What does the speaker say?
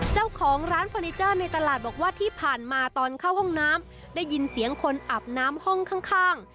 เจ้าของร้านเฟอร์นิเจอร์ในตลาดบอกว่าที่ผ่านมาตอนเข้าห้องน้ำได้ยินเสียงคนอาบน้ำห้องข้าง